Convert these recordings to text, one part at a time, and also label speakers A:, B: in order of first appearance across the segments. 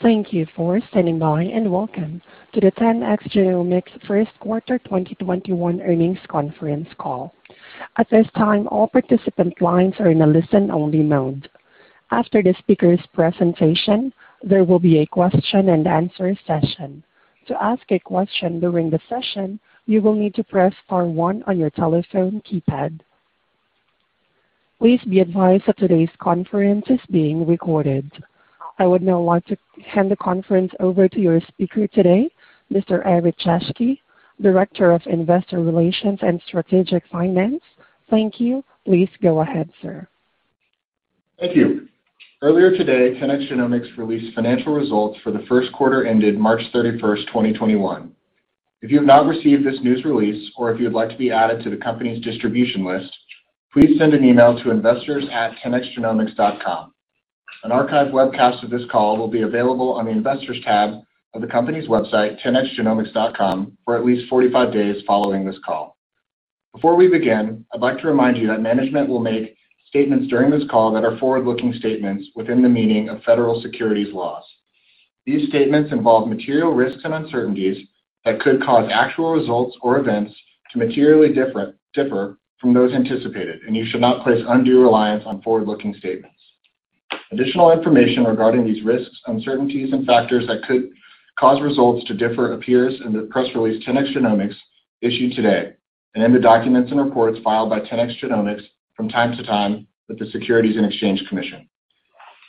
A: Thank you for standing by, and welcome to the 10x Genomics first quarter 2021 earnings conference call. At this time all the participant lines are in listen only mode. After the speaker presentation there will be a question and answer session. To ask a question during the session you will need to press star one on the telephone keypad. Please be advised that this conference is being recorded. I would now like to hand the conference over to your speaker today, Mr. Eric Jaschke, Director of Investor Relations and Strategic Finance. Thank you. Please go ahead, sir.
B: Thank you. Earlier today, 10x Genomics released financial results for the first quarter ended March 31st, 2021. If you have not received this news release, or if you would like to be added to the company's distribution list, please send an email to investors@10xgenomics.com. An archived webcast of this call will be available on the Investors tab of the company's website, 10xgenomics.com, for at least 45 days following this call. Before we begin, I'd like to remind you that management will make statements during this call that are forward-looking statements within the meaning of federal securities laws. These statements involve material risks and uncertainties that could cause actual results or events to materially differ from those anticipated, and you should not place undue reliance on forward-looking statements. Additional information regarding these risks, uncertainties and factors that could cause results to differ appears in the press release 10x Genomics issued today, and in the documents and reports filed by 10x Genomics from time to time with the Securities and Exchange Commission.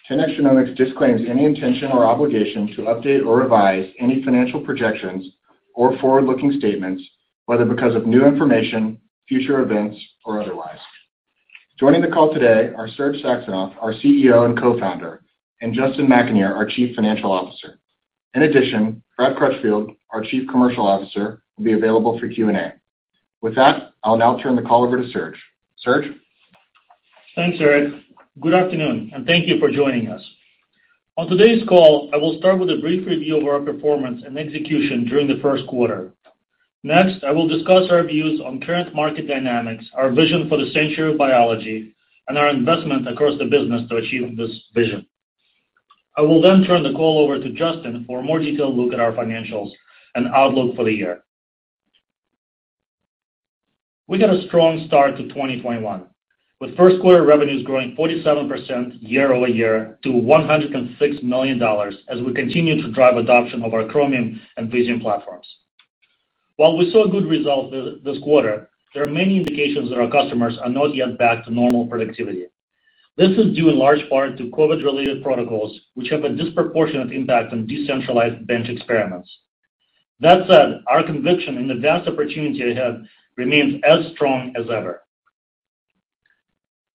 B: 10x Genomics disclaims any intention or obligation to update or revise any financial projections or forward-looking statements, whether because of new information, future events, or otherwise. Joining the call today are Serge Saxonov, our CEO and co-founder, and Justin McAnear, our Chief Financial Officer. In addition, Brad Crutchfield, our Chief Commercial Officer, will be available for Q&A. With that, I'll now turn the call over to Serge. Serge?
C: Thanks, Eric. Good afternoon, and thank you for joining us. On today's call, I will start with a brief review of our performance and execution during the first quarter. I will discuss our views on current market dynamics, our vision for the century of biology, and our investment across the business to achieve this vision. I will then turn the call over to Justin for a more detailed look at our financials and outlook for the year. We got a strong start to 2021, with first quarter revenues growing 47% year-over-year to $106 million as we continue to drive adoption of our Chromium and Visium platforms. While we saw good results this quarter, there are many indications that our customers are not yet back to normal productivity. This is due in large part to COVID-related protocols, which have a disproportionate impact on decentralized bench experiments. That said, our conviction in the vast opportunity ahead remains as strong as ever.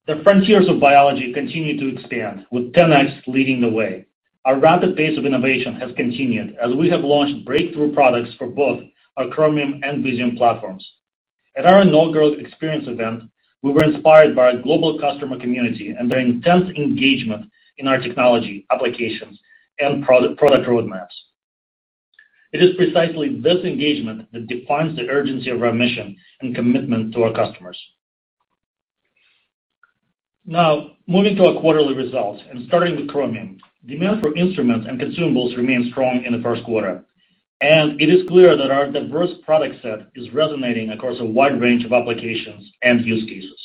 C: The frontiers of biology continue to expand with 10x leading the way. Our rapid pace of innovation has continued as we have launched breakthrough products for both our Chromium and Visium platforms. At our inaugural experience event, we were inspired by our global customer community and their intense engagement in our technology applications and product roadmaps. It is precisely this engagement that defines the urgency of our mission and commitment to our customers. Moving to our quarterly results and starting with Chromium. Demand for instruments and consumables remained strong in the first quarter, and it is clear that our diverse product set is resonating across a wide range of applications and use cases.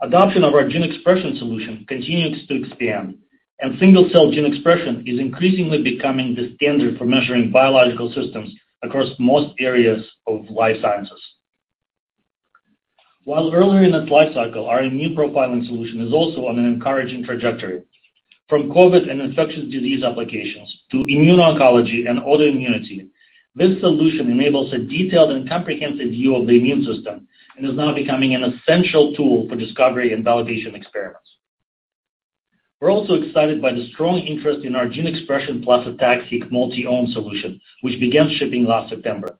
C: Adoption of our gene expression solution continues to expand, and single-cell gene expression is increasingly becoming the standard for measuring biological systems across most areas of life sciences. While earlier in its life cycle, our immune profiling solution is also on an encouraging trajectory. From COVID and infectious disease applications to immune-oncology and autoimmunity, this solution enables a detailed and comprehensive view of the immune system and is now becoming an essential tool for discovery and validation experiments. We're also excited by the strong interest in our Gene Expression plus ATAC-seq Multiome solution, which began shipping last September.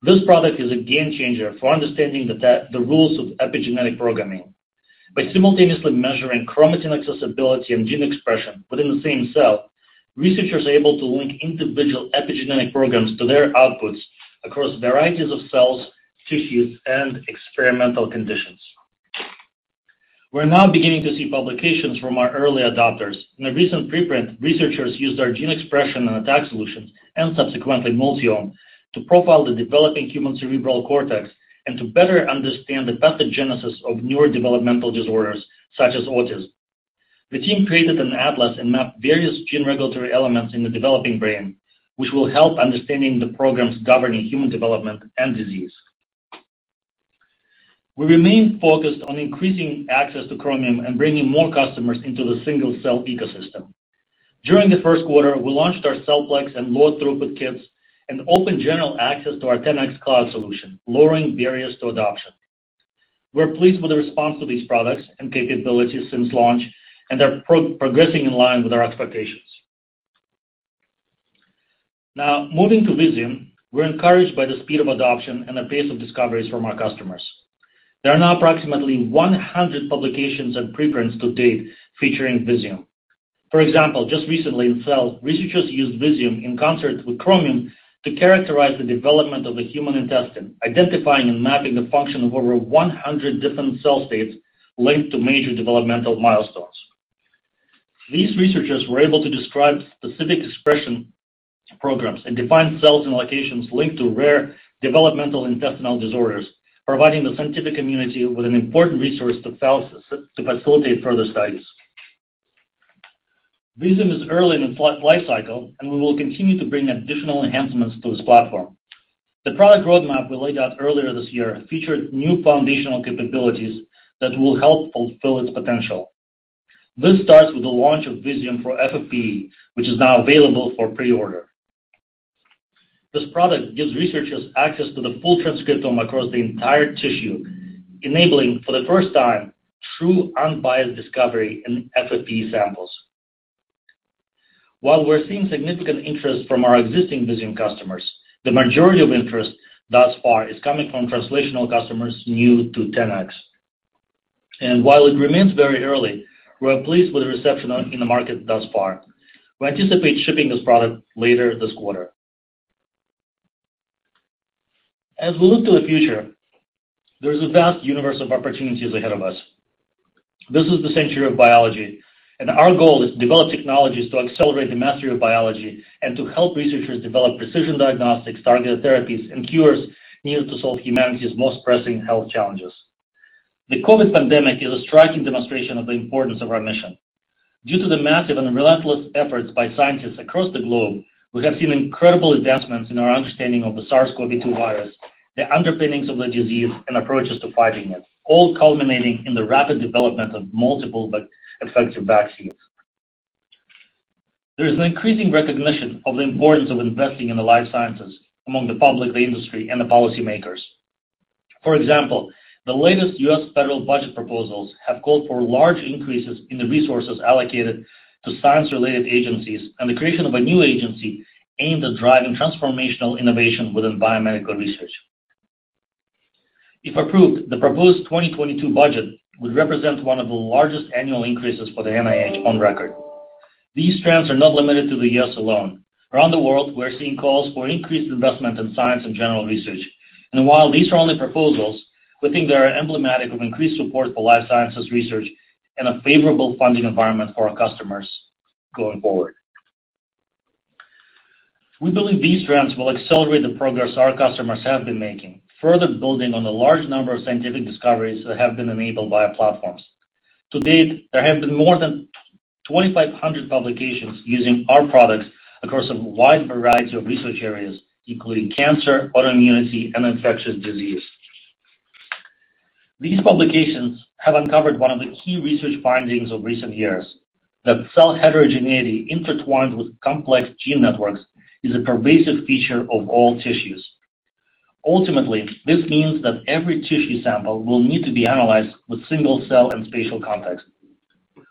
C: This product is a game changer for understanding the rules of epigenetic programming. By simultaneously measuring chromatin accessibility and gene expression within the same cell, researchers are able to link individual epigenetic programs to their outputs across varieties of cells, tissues, and experimental conditions. We're now beginning to see publications from our early adopters. In a recent preprint, researchers used our gene expression and ATAC solutions, and subsequently Multiome, to profile the developing human cerebral cortex and to better understand the pathogenesis of neurodevelopmental disorders such as autism. The team created an atlas and mapped various gene regulatory elements in the developing brain, which will help understanding the programs governing human development and disease. We remain focused on increasing access to Chromium and bringing more customers into the single-cell ecosystem. During the first quarter, we launched our CellPlex and low throughput kits and opened general access to our 10x Cloud solution, lowering barriers to adoption. We're pleased with the response to these products and capabilities since launch, and they're progressing in line with our expectations. Now, moving to Visium, we're encouraged by the speed of adoption and the pace of discoveries from our customers. There are now approximately 100 publications and preprints to date featuring Visium. For example, just recently in Cell, researchers used Visium in concert with Chromium to characterize the development of the human intestine, identifying and mapping the function of over 100 different cell states linked to major developmental milestones. These researchers were able to describe specific expression programs and define cells and locations linked to rare developmental intestinal disorders, providing the scientific community with an important resource to facilitate further studies. Visium is early in its lifecycle, and we will continue to bring additional enhancements to this platform. The product roadmap we laid out earlier this year featured new foundational capabilities that will help fulfill its potential. This starts with the launch of Visium for FFPE, which is now available for pre-order. This product gives researchers access to the full transcriptome across the entire tissue, enabling, for the first time, true unbiased discovery in FFPE samples. While we're seeing significant interest from our existing Visium customers, the majority of interest thus far is coming from translational customers new to 10x. While it remains very early, we're pleased with the reception in the market thus far. We anticipate shipping this product later this quarter. As we look to the future, there is a vast universe of opportunities ahead of us. This is the century of biology, and our goal is to develop technologies to accelerate the mastery of biology and to help researchers develop precision diagnostics, targeted therapies, and cures needed to solve humanity's most pressing health challenges. The COVID-19 pandemic is a striking demonstration of the importance of our mission. Due to the massive and relentless efforts by scientists across the globe, we have seen incredible advancements in our understanding of the SARS-CoV-2 virus, the underpinnings of the disease, and approaches to fighting it, all culminating in the rapid development of multiple effective vaccines. There is an increasing recognition of the importance of investing in the life sciences among the public, the industry, and the policymakers. For example, the latest U.S. federal budget proposals have called for large increases in the resources allocated to science-related agencies and the creation of a new agency aimed at driving transformational innovation within biomedical research. If approved, the proposed 2022 budget would represent one of the largest annual increases for the NIH on record. These trends are not limited to the U.S. alone. Around the world, we're seeing calls for increased investment in science and general research. While these are only proposals, we think they are emblematic of increased support for life sciences research and a favorable funding environment for our customers going forward. We believe these trends will accelerate the progress our customers have been making, further building on the large number of scientific discoveries that have been enabled by our platforms. To date, there have been more than 2,500 publications using our products across a wide variety of research areas, including cancer, autoimmunity, and infectious disease. These publications have uncovered one of the key research findings of recent years, that cell heterogeneity intertwined with complex gene networks is a pervasive feature of all tissues. Ultimately, this means that every tissue sample will need to be analyzed with single-cell and spatial context,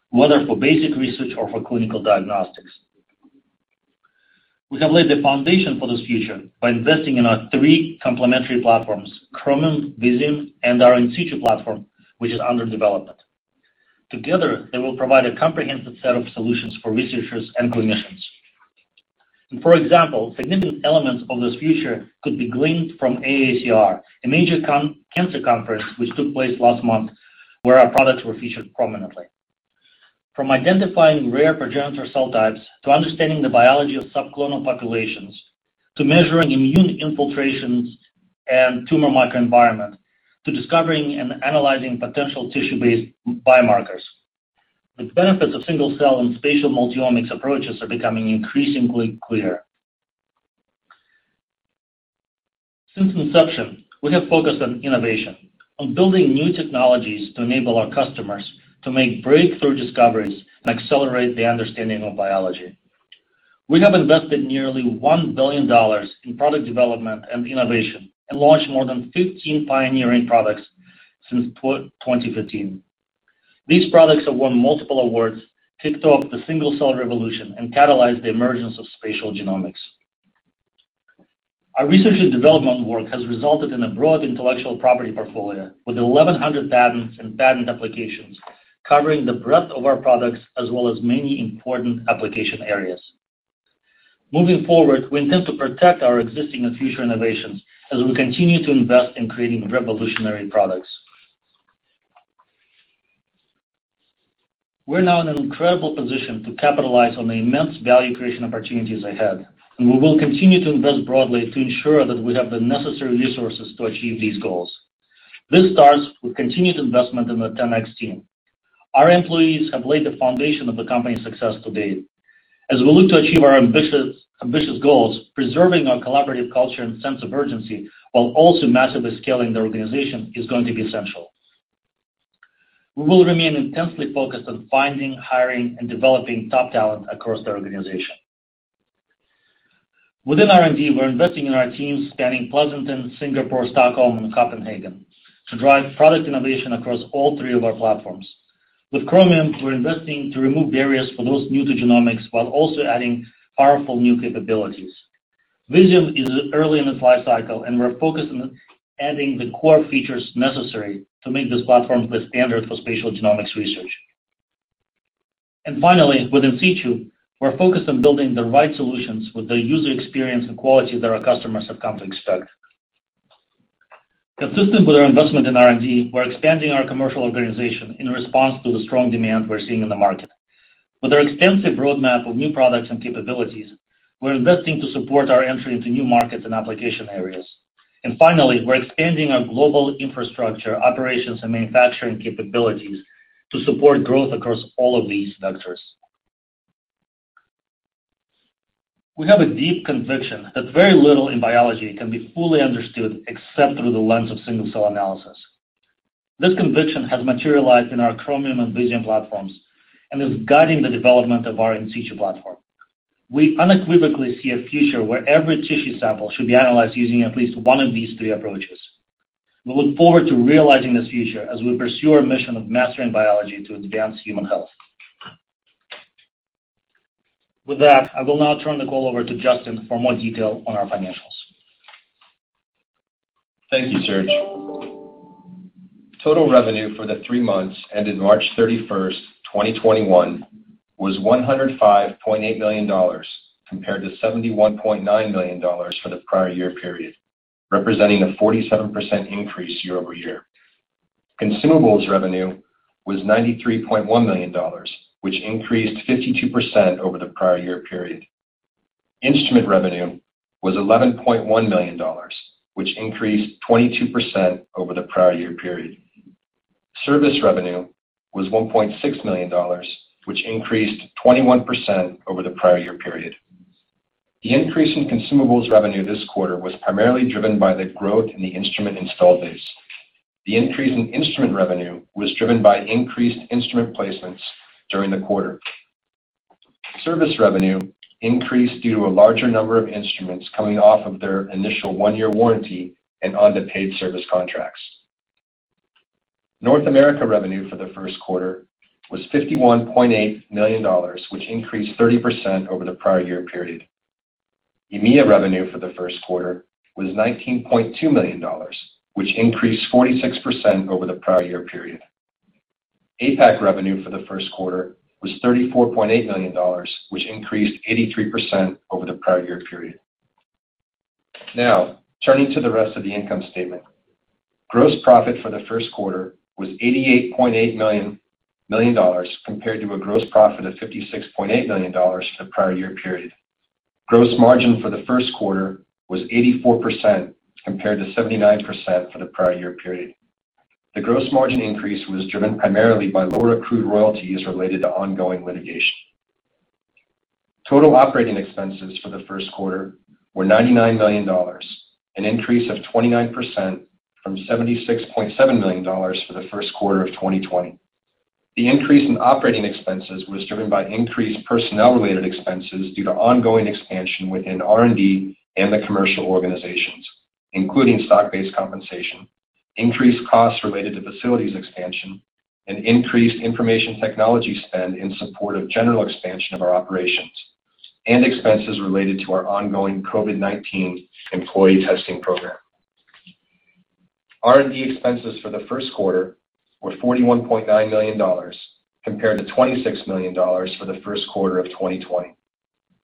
C: whether for basic research or for clinical diagnostics. We have laid the foundation for this future by investing in our three complementary platforms, Chromium, Visium, and our in situ platform, which is under development. Together, they will provide a comprehensive set of solutions for researchers and clinicians. For example, significant elements of this future could be gleaned from AACR, a major cancer conference which took place last month, where our products were featured prominently. From identifying rare progenitor cell types, to understanding the biology of subclonal populations, to measuring immune infiltrations and tumor microenvironment, to discovering and analyzing potential tissue-based biomarkers. The benefits of single-cell and spatial multi-omics approaches are becoming increasingly clear. Since inception, we have focused on innovation, on building new technologies to enable our customers to make breakthrough discoveries and accelerate their understanding of biology. We have invested nearly $1 billion in product development and innovation and launched more than 15 pioneering products since 2015. These products have won multiple awards, kicked off the single-cell revolution, and catalyzed the emergence of spatial genomics. Our research and development work has resulted in a broad intellectual property portfolio with 1,100 patents and patent applications covering the breadth of our products, as well as many important application areas. Moving forward, we intend to protect our existing and future innovations as we continue to invest in creating revolutionary products. We're now in an incredible position to capitalize on the immense value creation opportunities ahead, and we will continue to invest broadly to ensure that we have the necessary resources to achieve these goals. This starts with continued investment in the 10x team. Our employees have laid the foundation of the company's success to date. As we look to achieve our ambitious goals, preserving our collaborative culture and sense of urgency while also massively scaling the organization is going to be essential. We will remain intensely focused on finding, hiring, and developing top talent across the organization. Within R&D, we're investing in our teams spanning Pleasanton, Singapore, Stockholm, and Copenhagen to drive product innovation across all three of our platforms. With Chromium, we're investing to remove barriers for those new to genomics while also adding powerful new capabilities. Visium is early in its lifecycle, and we're focused on adding the core features necessary to make this platform the standard for spatial genomics research. Finally, with In Situ, we're focused on building the right solutions with the user experience and quality that our customers have come to expect. Consistent with our investment in R&D, we're expanding our commercial organization in response to the strong demand we're seeing in the market. With our extensive roadmap of new products and capabilities, we're investing to support our entry into new markets and application areas. Finally, we're expanding our global infrastructure, operations, and manufacturing capabilities to support growth across all of these vectors. We have a deep conviction that very little in biology can be fully understood except through the lens of single-cell analysis. This conviction has materialized in our Chromium and Visium platforms and is guiding the development of our in situ platform. We unequivocally see a future where every tissue sample should be analyzed using at least one of these three approaches. We look forward to realizing this future as we pursue our mission of mastering biology to advance human health. With that, I will now turn the call over to Justin for more detail on our financials.
D: Thank you, Serge. Total revenue for the three months ended March 31, 2021, was $105.8 million compared to $71.9 million for the prior year period, representing a 47% increase year-over-year. Consumables revenue was $93.1 million, which increased 52% over the prior year period. Instrument revenue was $11.1 million, which increased 22% over the prior year period. Service revenue was $1.6 million, which increased 21% over the prior year period. The increase in consumables revenue this quarter was primarily driven by the growth in the instrument installed base. The increase in instrument revenue was driven by increased instrument placements during the quarter. Service revenue increased due to a larger number of instruments coming off of their initial one-year warranty and onto paid service contracts. North America revenue for the first quarter was $51.8 million, which increased 30% over the prior year period. EMEA revenue for the first quarter was $19.2 million, which increased 46% over the prior year period. APAC revenue for the first quarter was $34.8 million, which increased 83% over the prior year period. Now, turning to the rest of the income statement. Gross profit for the first quarter was $88.8 million compared to a gross profit of $56.8 million for the prior year period. Gross margin for the first quarter was 84% compared to 79% for the prior year period. The gross margin increase was driven primarily by lower accrued royalties related to ongoing litigation. Total operating expenses for the first quarter were $99 million, an increase of 29% from $76.7 million for the first quarter of 2020. The increase in operating expenses was driven by increased personnel related expenses due to ongoing expansion within R&D and the commercial organizations, including stock-based compensation, increased costs related to facilities expansion, and increased information technology spend in support of general expansion of our operations, and expenses related to our ongoing COVID-19 employee testing program. R&D expenses for the first quarter were $41.9 million compared to $26 million for the first quarter of 2020.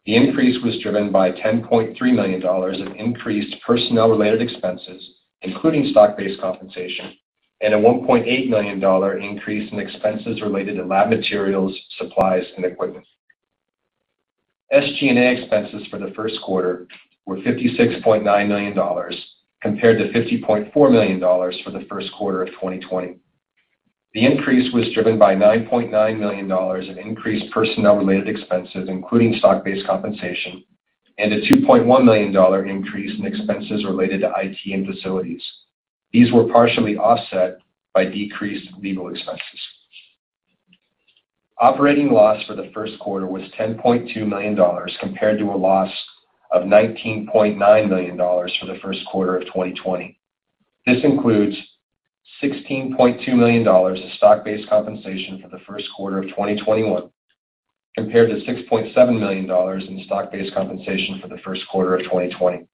D: The increase was driven by $10.3 million of increased personnel related expenses, including stock-based compensation, and a $1.8 million increase in expenses related to lab materials, supplies, and equipment. SG&A expenses for the first quarter were $56.9 million compared to $50.4 million for the first quarter of 2020. The increase was driven by $9.9 million in increased personnel related expenses, including stock-based compensation, and a $2.1 million increase in expenses related to IT and facilities. These were partially offset by decreased legal expenses. Operating loss for the first quarter was $10.2 million compared to a loss of $19.9 million for the first quarter of 2020. This includes $16.2 million in stock-based compensation for the first quarter of 2021 compared to $6.7 million in stock-based compensation for the first quarter of 2020.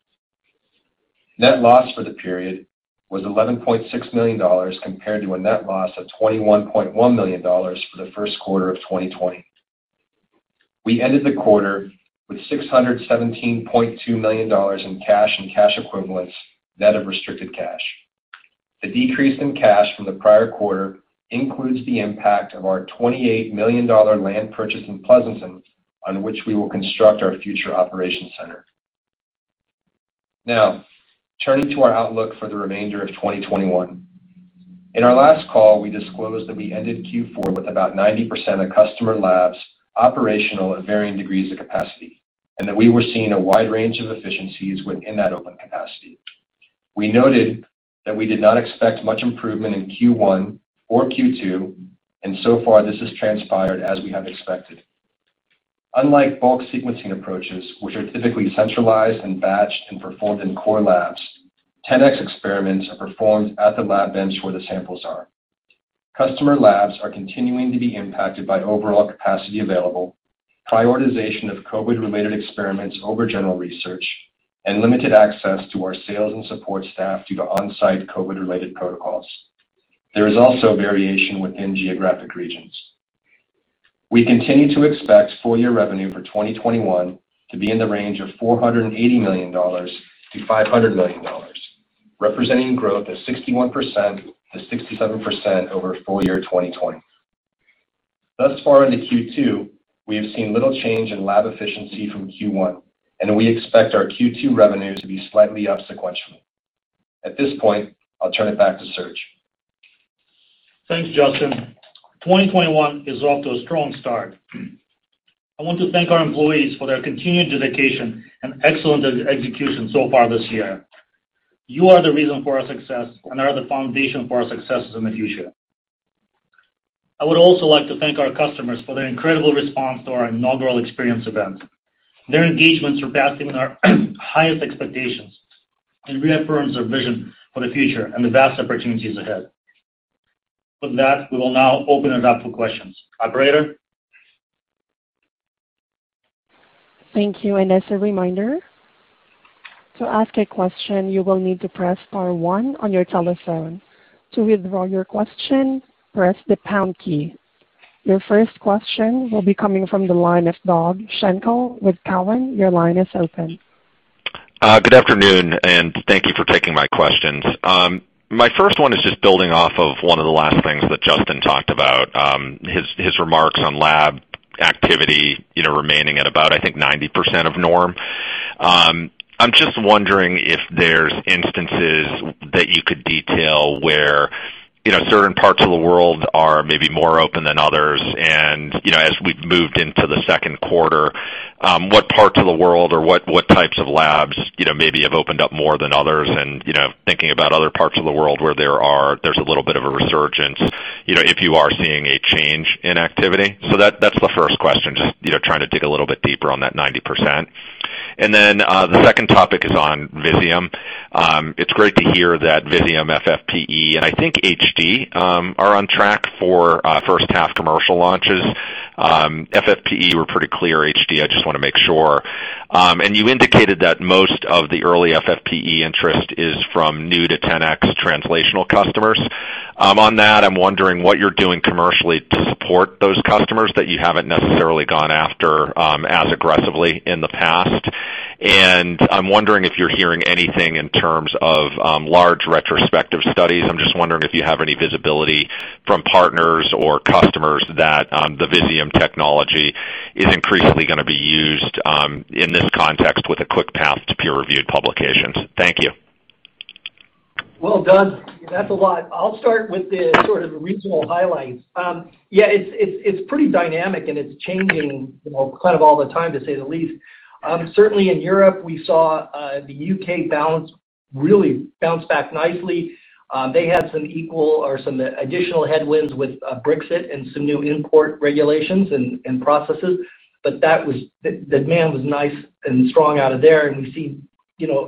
D: Net loss for the period was $11.6 million compared to a net loss of $21.1 million for the first quarter of 2020. We ended the quarter with $617.2 million in cash and cash equivalents, net of restricted cash. The decrease in cash from the prior quarter includes the impact of our $28 million land purchase in Pleasanton, on which we will construct our future operation center. Now, turning to our outlook for the remainder of 2021. In our last call, we disclosed that we ended Q4 with about 90% of customer labs operational at varying degrees of capacity, and that we were seeing a wide range of efficiencies within that open capacity. We noted that we did not expect much improvement in Q1 or Q2. So far, this has transpired as we have expected. Unlike bulk sequencing approaches, which are typically centralized and batched and performed in core labs, 10X experiments are performed at the lab bench where the samples are. Customer labs are continuing to be impacted by overall capacity available, prioritization of COVID-related experiments over general research, and limited access to our sales and support staff due to on-site COVID-related protocols. There is also variation within geographic regions. We continue to expect full-year revenue for 2021 to be in the range of $480 million-$500 million, representing growth of 61%-67% over full-year 2020. Thus far into Q2, we have seen little change in lab efficiency from Q1, and we expect our Q2 revenue to be slightly up sequentially. At this point, I'll turn it back to Serge.
C: Thanks, Justin. 2021 is off to a strong start. I want to thank our employees for their continued dedication and excellent execution so far this year. You are the reason for our success and are the foundation for our successes in the future. I would also like to thank our customers for their incredible response to our inaugural experience event. Their engagements are passing our highest expectations and reaffirms our vision for the future and the vast opportunities ahead. We will now open it up for questions. Operator?
A: Thank you. As a reminder, to ask a question, you will need to press star one on your telephone. To withdraw your question, press the pound key. Your first question will be coming from the line of Doug Schenkel with Cowen. Your line is open.
E: Good afternoon, and thank you for taking my questions. My first one is just building off of one of the last things that Justin talked about, his remarks on lab activity remaining at about, I think, 90% of norm. I'm just wondering if there's instances that you could detail where certain parts of the world are maybe more open than others. As we've moved into the second quarter, what parts of the world or what types of labs maybe have opened up more than others and thinking about other parts of the world where there's a little bit of a resurgence, if you are seeing a change in activity. That's the first question, just trying to dig a little bit deeper on that 90%. Then, the second topic is on Visium. It's great to hear that Visium FFPE and I think HD are on track for first-half commercial launches. FFPE, we're pretty clear. HD, I just want to make sure. You indicated that most of the early FFPE interest is from new to 10x translational customers. On that, I'm wondering what you're doing commercially to support those customers that you haven't necessarily gone after as aggressively in the past. I'm wondering if you're hearing anything in terms of large retrospective studies. I'm just wondering if you have any visibility from partners or customers that the Visium technology is increasingly going to be used in this context with a quick path to peer-reviewed publications. Thank you.
F: Well, Doug, that's a lot. I'll start with the sort of regional highlights. Yeah, it's pretty dynamic and it's changing kind of all the time, to say the least. Certainly in Europe, we saw the U.K. really bounce back nicely. They had some equal or some additional headwinds with Brexit and some new import regulations and processes, but the demand was nice and strong out of there, and we see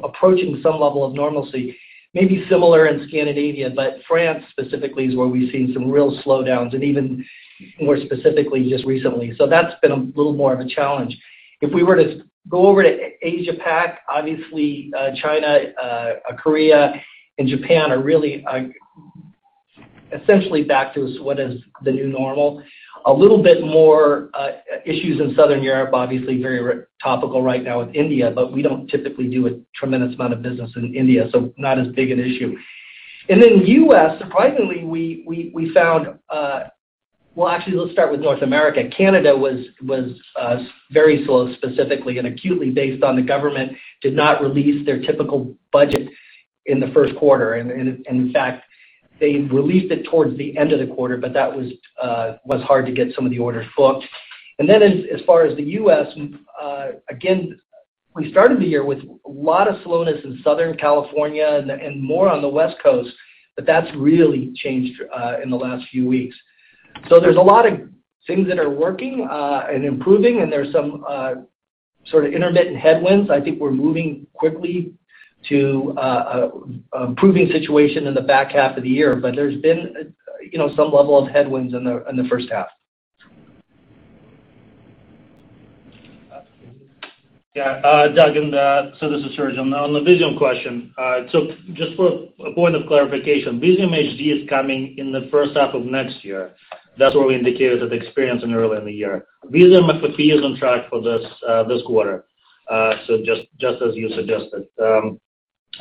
F: approaching some level of normalcy. Maybe similar in Scandinavia, but France specifically is where we've seen some real slowdowns, and even more specifically just recently. That's been a little more of a challenge. If we were to go over to Asia Pac, obviously, China, Korea, and Japan are really essentially back to what is the new normal. A little bit more issues in Southern Europe, obviously very topical right now with India, but we don't typically do a tremendous amount of business in India, so not as big an issue. U.S., surprisingly, well, actually, let's start with North America. Canada was very slow specifically and acutely based on the government did not release their typical budget in the first quarter. In fact, they released it towards the end of the quarter, but that was hard to get some of the orders booked. As far as the U.S., again, we started the year with a lot of slowness in Southern California and more on the West Coast, but that's really changed in the last few weeks. There's a lot of things that are working and improving, and there's some sort of intermittent headwinds. I think we're moving quickly to an improving situation in the back half of the year, but there's been some level of headwinds in the first half.
C: Doug, so this is Serge. On the Visium question, so just for a point of clarification, Visium HD is coming in the first half of next year. That's where we indicated at experience in early in the year. Visium FFPE is on track for this quarter, so just as you suggested.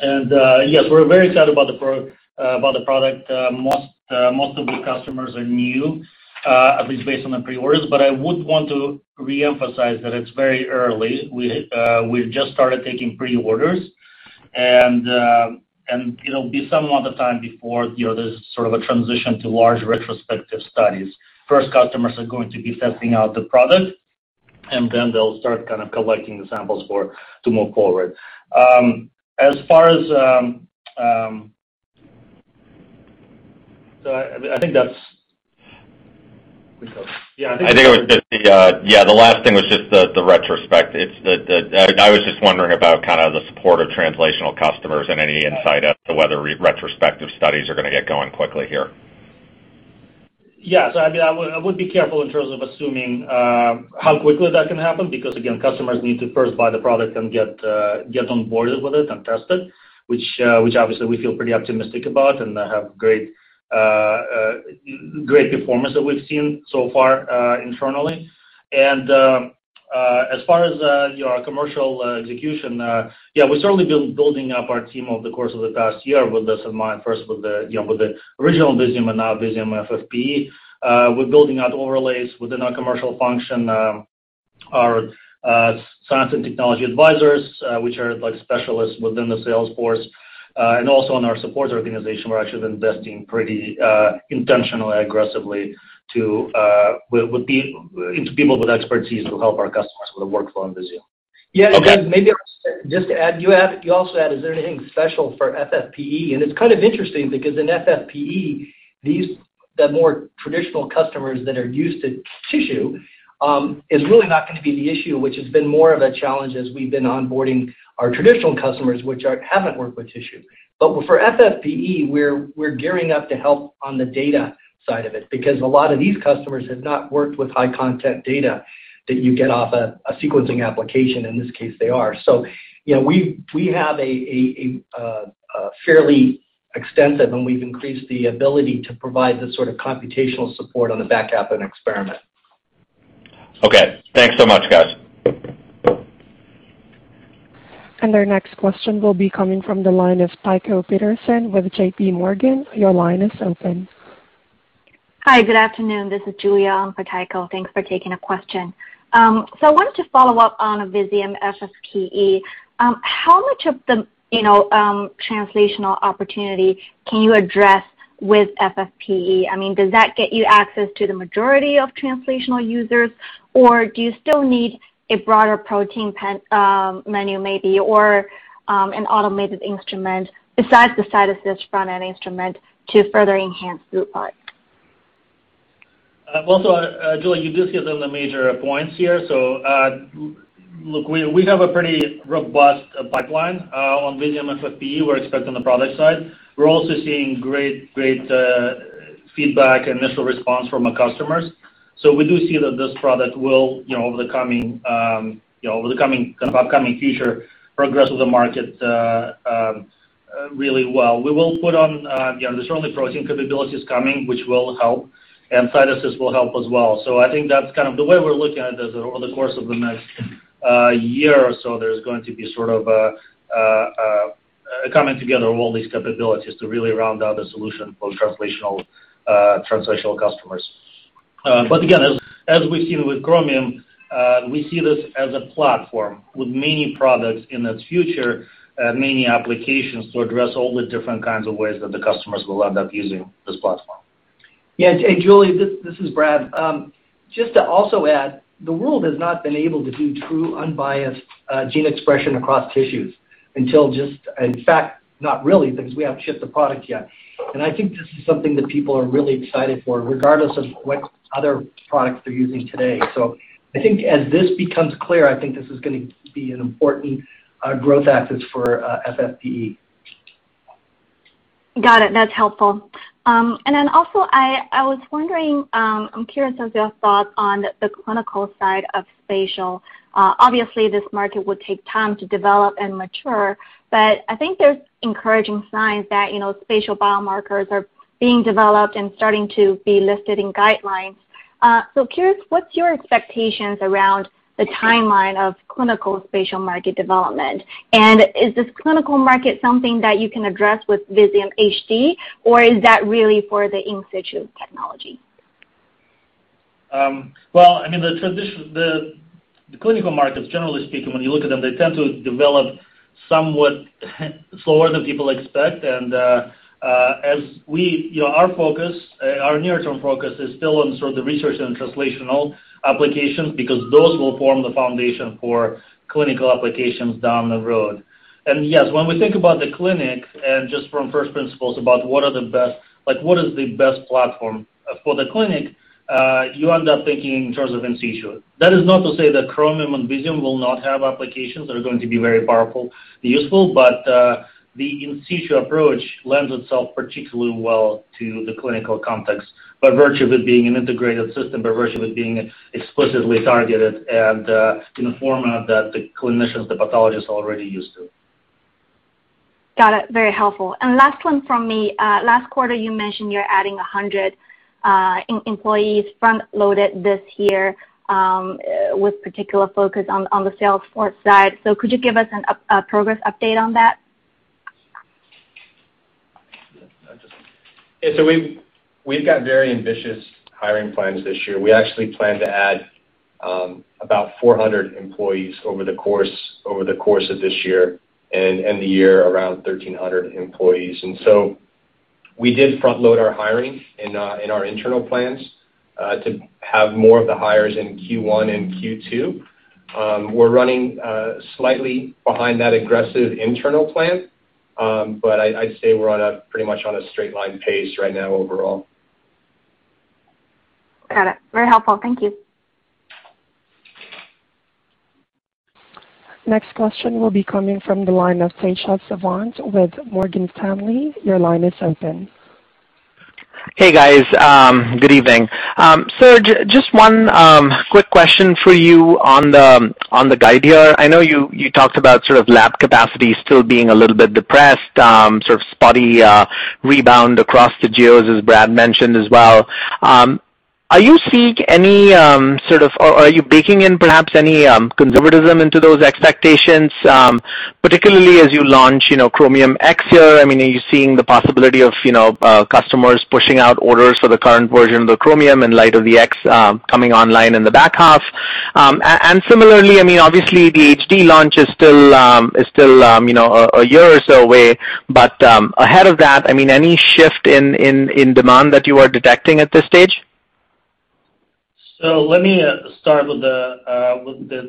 C: Yes, we're very excited about the product. Most of the customers are new, at least based on the pre-orders, but I would want to reemphasize that it's very early. We've just started taking pre-orders, and it'll be some amount of time before there's sort of a transition to large retrospective studies. First customers are going to be testing out the product, and then they'll start kind of collecting the samples to move forward. Yeah, I think-
E: I think it was just yeah, the last thing was just the retrospect. I was just wondering about kind of the support of translational customers and any insight as to whether retrospective studies are going to get going quickly here.
C: Yes. I would be careful in terms of assuming how quickly that can happen, because again, customers need to first buy the product and get on board with it and test it, which obviously we feel pretty optimistic about and have great performance that we've seen so far internally. As far as our commercial execution, yeah, we're certainly building up our team over the course of the past year with this in mind, first with the original Visium and now Visium FFPE. We're building out overlays within our commercial function, our science and technology advisors, which are specialists within the sales force, and also in our support organization, we're actually investing pretty intentionally, aggressively into people with expertise who help our customers with the workflow and Visium.
F: Maybe just to add, you also asked, is there anything special for FFPE? It's kind of interesting because in FFPE, the more traditional customers that are used to tissue, is really not going to be the issue, which has been more of a challenge as we've been onboarding our traditional customers, which haven't worked with tissue. For FFPE, we're gearing up to help on the data side of it, because a lot of these customers have not worked with high content data that you get off a sequencing application. In this case, they are. We have a fairly extensive, and we've increased the ability to provide the sort of computational support on the back half of an experiment.
E: Okay. Thanks so much, guys.
A: Our next question will be coming from the line of Tycho Peterson with J.P. Morgan. Your line is open.
G: Hi, good afternoon. This is Julia on for Tycho. Thanks for taking a question. I wanted to follow up on Visium FFPE. How much of the translational opportunity can you address with FFPE? Does that get you access to the majority of translational users, or do you still need a broader protein menu maybe, or an automated instrument besides the CytAssist front-end instrument to further enhance throughput?
C: Julia, you did hit on the major points here. Look, we have a pretty robust pipeline on Visium FFPE we're expecting on the product side. We're also seeing great feedback and initial response from our customers. We do see that this product will, over the upcoming future, progress through the market really well. There's certainly protein capabilities coming, which will help, and CytAssist will help as well. I think that's kind of the way we're looking at it is over the course of the next year or so, there's going to be sort of a coming together of all these capabilities to really round out a solution for translational customers. Again, as we've seen with Chromium, we see this as a platform with many products in its future, many applications to address all the different kinds of ways that the customers will end up using this platform.
F: Yeah. Julia, this is Brad. Just to also add, the world has not been able to do true unbiased gene expression across tissues until just, in fact, not really, because we haven't shipped the product yet. I think this is something that people are really excited for, regardless of what other products they're using today. I think as this becomes clear, I think this is going to be an important growth axis for FFPE.
G: Got it. That's helpful. Also, I was wondering, I'm curious as your thoughts on the clinical side of spatial. Obviously, this market would take time to develop and mature, but I think there's encouraging signs that spatial biomarkers are being developed and starting to be listed in guidelines. Curious, what's your expectations around the timeline of clinical spatial market development? Is this clinical market something that you can address with Visium HD, or is that really for the in situ technology?
C: Well, the clinical markets, generally speaking, when you look at them, they tend to develop somewhat slower than people expect. Our near-term focus is still on the research and translational applications, because those will form the foundation for clinical applications down the road. Yes, when we think about the clinic and just from first principles about what is the best platform for the clinic, you end up thinking in terms of in situ. That is not to say that Chromium and Visium will not have applications that are going to be very powerful, useful, but the in situ approach lends itself particularly well to the clinical context by virtue of it being an integrated system, by virtue of it being explicitly targeted and in a format that the clinicians, the pathologists are already used to.
G: Got it. Very helpful. Last one from me. Last quarter, you mentioned you're adding 100 employees front-loaded this year, with particular focus on the sales force side. Could you give us a progress update on that?
D: Yeah, we've got very ambitious hiring plans this year. We actually plan to add about 400 employees over the course of this year and end the year around 1,300 employees. We did front load our hiring in our internal plans to have more of the hires in Q1 and Q2. We're running slightly behind that aggressive internal plan, I'd say we're pretty much on a straight line pace right now overall.
G: Got it. Very helpful. Thank you.
A: Next question will be coming from the line of Tejas Savant with Morgan Stanley. Your line is open.
H: Hey, guys. Good evening. Serge, just one quick question for you on the guide here. I know you talked about lab capacity still being a little bit depressed, sort of spotty rebound across the geos, as Brad mentioned as well. Are you seeing any sort of-- Are you baking in perhaps any conservatism into those expectations, particularly as you launch Chromium X here? Are you seeing the possibility of customers pushing out orders for the current version of the Chromium in light of the X coming online in the back half? Similarly, obviously, the HD launch is still a year or so away, but ahead of that, any shift in demand that you are detecting at this stage?
C: Let me start with the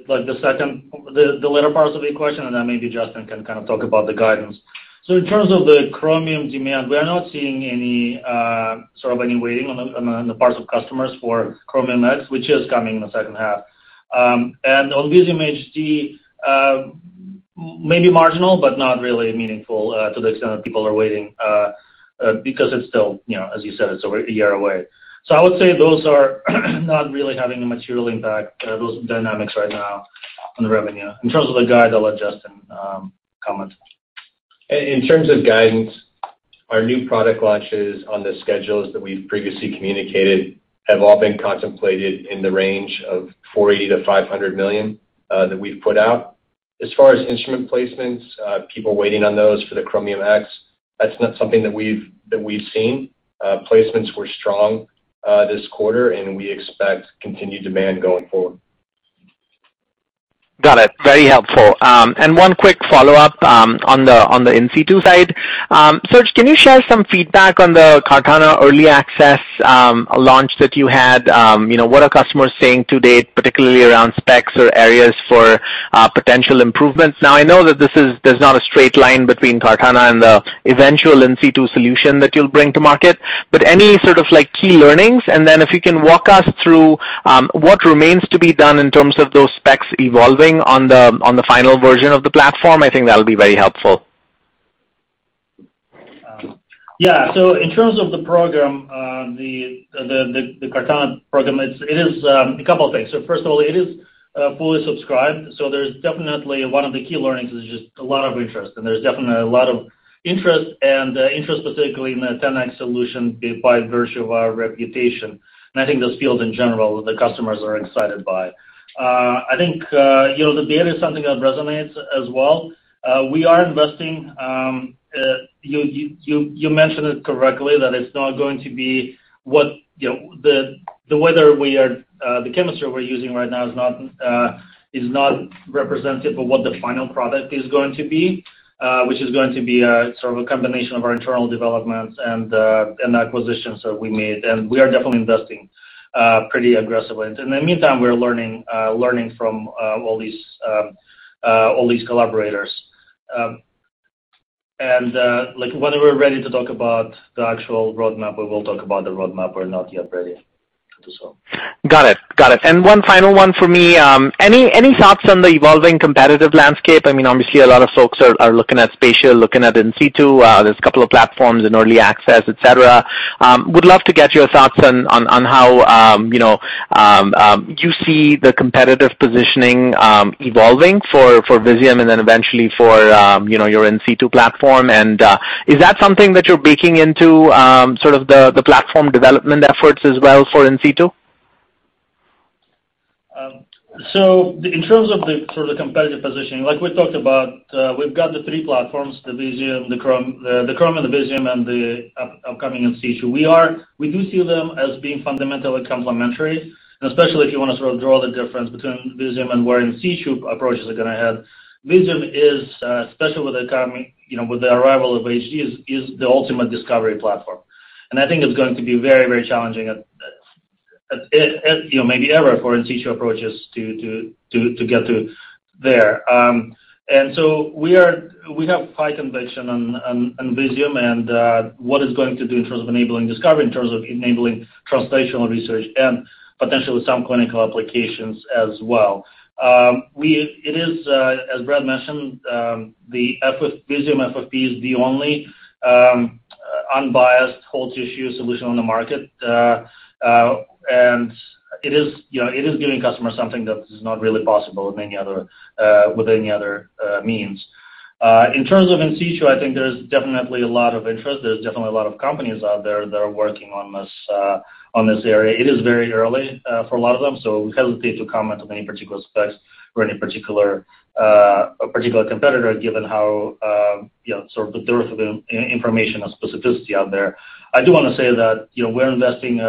C: latter parts of your question. Maybe Justin can talk about the guidance. In terms of the Chromium demand, we are not seeing any waiting on the parts of customers for Chromium X, which is coming in the second half. On Visium HD, maybe marginal, but not really meaningful to the extent that people are waiting, because it's still, as you said, it's over a year away. I would say those are not really having a material impact, those dynamics right now on the revenue. In terms of the guide, I'll let Justin comment.
D: In terms of guidance, our new product launches on the schedules that we've previously communicated have all been contemplated in the range of $480 million-$500 million that we've put out. As far as instrument placements, people waiting on those for the Chromium X, that's not something that we've seen. Placements were strong this quarter, and we expect continued demand going forward.
H: Got it. Very helpful. One quick follow-up on the in situ side. Serge, can you share some feedback on the Cartana early access launch that you had? What are customers saying to date, particularly around specs or areas for potential improvements? I know that there's not a straight line between Cartana and the eventual in situ solution that you'll bring to market, but any sort of key learnings, and then if you can walk us through what remains to be done in terms of those specs evolving on the final version of the platform, I think that'll be very helpful.
C: Yeah. In terms of the program, the Cartana program, it is a couple of things. First of all, it is fully subscribed. There's definitely one of the key learnings is just a lot of interest, and there's definitely a lot of interest and interest specifically in the 10x solution by virtue of our reputation. I think those fields in general, the customers are excited by. I think, the data is something that resonates as well. We are investing, you mentioned it correctly that it's not going to be the chemistry we're using right now is not representative of what the final product is going to be, which is going to be a sort of a combination of our internal developments and the acquisitions that we made. We are definitely investing pretty aggressively. In the meantime, we're learning from all these collaborators. When we're ready to talk about the actual roadmap, we will talk about the roadmap. We're not yet ready to do so.
H: Got it. One final one for me. Any thoughts on the evolving competitive landscape? Obviously, a lot of folks are looking at spatial, looking at in situ. There's a couple of platforms in early access, et cetera. Would love to get your thoughts on how you see the competitive positioning evolving for Visium and then eventually for your in situ platform, and is that something that you're baking into sort of the platform development efforts as well for in situ?
C: In terms of the competitive positioning, like we talked about, we've got the three platforms, the Chromium, the Visium and the upcoming in situ. We do see them as being fundamentally complementary, and especially if you want to sort of draw the difference between Visium and where in situ approaches are going to head. Visium is, especially with the arrival of HD, is the ultimate discovery platform. I think it's going to be very challenging at maybe ever for in situ approaches to get to there. We have high conviction on Visium and what it's going to do in terms of enabling discovery, in terms of enabling translational research and potentially some clinical applications as well. It is, as Brad mentioned, the Visium FFPE is the only unbiased whole tissue solution on the market, and it is giving customers something that is not really possible with any other means. In terms of in situ, I think there's definitely a lot of interest. There's definitely a lot of companies out there that are working on this area. It is very early for a lot of them, so we hesitate to comment on any particular specs or any particular competitor, given how the dearth of information or specificity out there. I do want to say that we're investing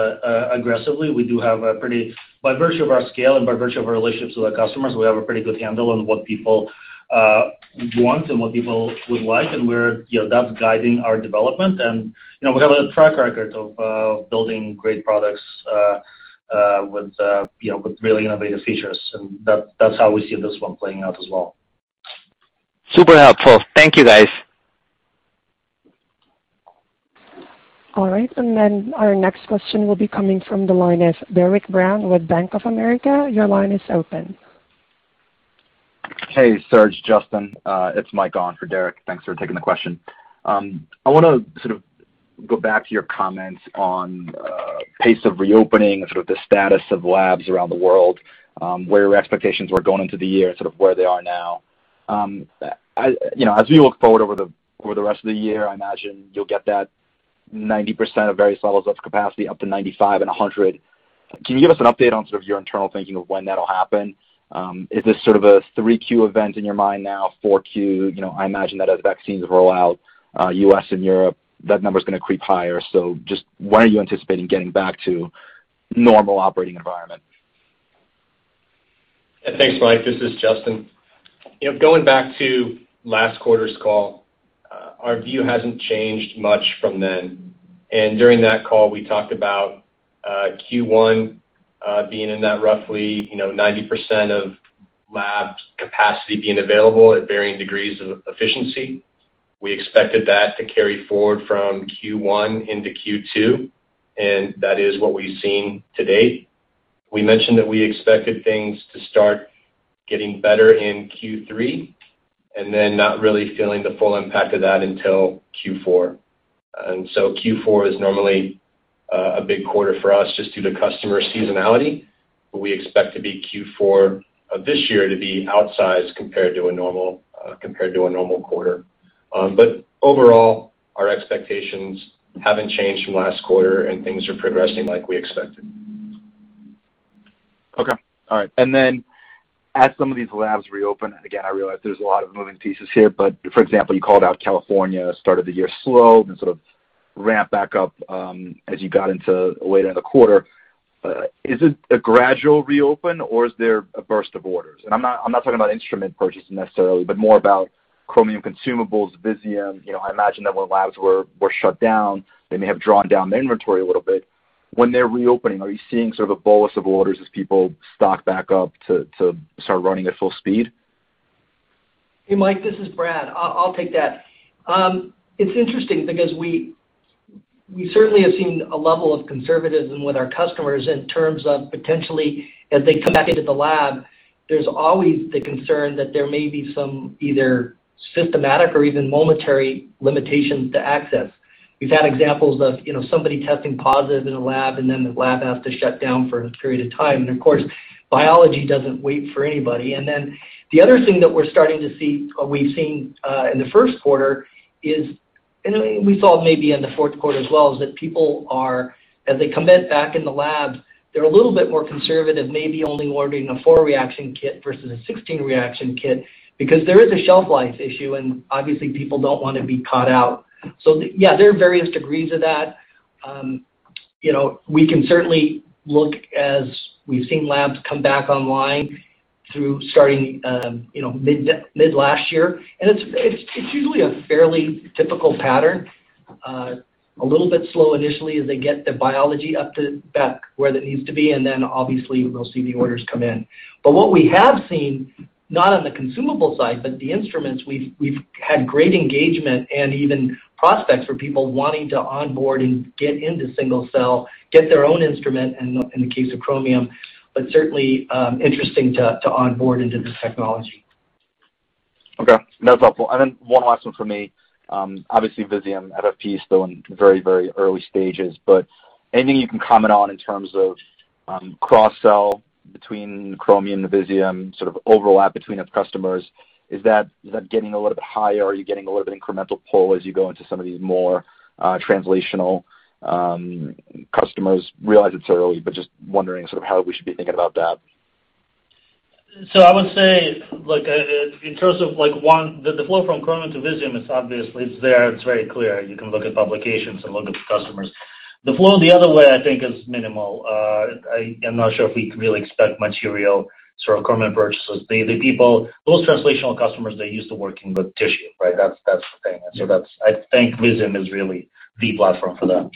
C: aggressively. We do have a pretty, by virtue of our scale and by virtue of our relationships with our customers, we have a pretty good handle on what people want and what people would like, and that's guiding our development. We have a track record of building great products with really innovative features, and that's how we see this one playing out as well.
H: Super helpful. Thank you, guys.
A: All right, our next question will be coming from the line of Derik De Bruin with Bank of America.
I: Hey, Serge, Justin. It's Mike on for Derik. Thanks for taking the question. I want to sort of go back to your comments on pace of reopening and sort of the status of labs around the world, where your expectations were going into the year and sort of where they are now. As we look forward over the rest of the year, I imagine you'll get that 90% of various levels of capacity up to 95 and 100. Can you give us an update on sort of your internal thinking of when that'll happen? Is this sort of a 3Q event in your mind now, 4Q? I imagine that as vaccines roll out, U.S. and Europe, that number's going to creep higher. Just when are you anticipating getting back to normal operating environment?
D: Thanks, Mike. This is Justin. Going back to last quarter's call, our view hasn't changed much from then. During that call, we talked about Q1 being in that roughly 90% of lab capacity being available at varying degrees of efficiency. We expected that to carry forward from Q1 into Q2, and that is what we've seen to date. We mentioned that we expected things to start getting better in Q3, and then not really feeling the full impact of that until Q4. Q4 is normally a big quarter for us just due to customer seasonality, but we expect Q4 of this year to be outsized compared to a normal quarter. Overall, our expectations haven't changed from last quarter, and things are progressing like we expected.
I: Okay. All right. As some of these labs reopen, again, I realize there's a lot of moving pieces here, but for example, you called out California started the year slow, then sort of ramped back up as you got into later in the quarter. Is it a gradual reopen or is there a burst of orders? I'm not talking about instrument purchases necessarily, but more about Chromium consumables, Visium. I imagine that when labs were shut down, they may have drawn down their inventory a little bit. When they're reopening, are you seeing sort of a bolus of orders as people stock back up to start running at full speed?
F: Hey, Mike, this is Brad. I'll take that. It's interesting because we certainly have seen a level of conservatism with our customers in terms of potentially, as they come back into the lab, there's always the concern that there may be some either systematic or even momentary limitations to access. We've had examples of somebody testing positive in a lab and then the lab has to shut down for a period of time, and of course, biology doesn't wait for anybody. The other thing that we're starting to see, or we've seen in the first quarter is, and we thought maybe in the fourth quarter as well, is that people are, as they commit back in the labs, they're a little bit more conservative, maybe only ordering a four reaction kit versus a 16 reaction kit because there is a shelf life issue, and obviously people don't want to be caught out. Yeah, there are various degrees of that. We can certainly look as we've seen labs come back online through starting mid last year, and it's usually a fairly typical pattern, a little bit slow initially as they get the biology up to back where that needs to be, and then obviously we'll see the orders come in. What we have seen, not on the consumable side, but the instruments, we've had great engagement and even prospects for people wanting to onboard and get into single-cell, get their own instrument in the case of Chromium, but certainly, interesting to onboard into the technology.
I: Okay. That's helpful. One last one from me. Obviously Visium, at a piece, still in very early stages, anything you can comment on in terms of cross-sell between Chromium and Visium, sort of overlap between its customers? Is that getting a little bit higher? Are you getting a little bit incremental pull as you go into some of these more translational customers realize it's early, just wondering sort of how we should be thinking about that.
C: I would say, in terms of one, the flow from Chromium to Visium is obviously, it's there, it's very clear. You can look at publications and look at the customers. The flow the other way, I think, is minimal. I'm not sure if we can really expect much real sort of Chromium purchases. Those translational customers, they're used to working with tissue, right? That's the thing. I think Visium is really the platform for them.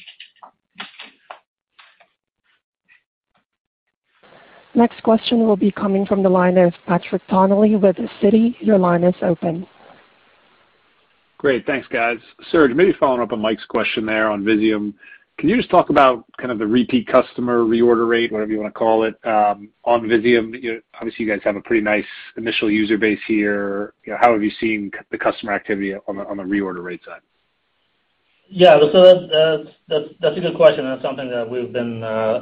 A: Next question will be coming from the line of Patrick Donnelly with Citi. Your line is open.
J: Great. Thanks, guys. Serge, maybe following up on Mike's question there on Visium, can you just talk about kind of the repeat customer reorder rate, whatever you want to call it, on Visium? Obviously, you guys have a pretty nice initial user base here. How have you seen the customer activity on the reorder rate side?
C: That's a good question, and it's something that we've been